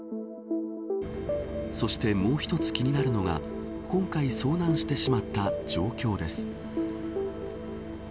そして、もう一つ気になるのは今回遭難してしまった状況です。